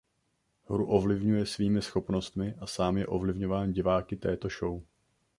Hru ovlivňuje svými schopnostmi a sám je ovlivňován diváky této show.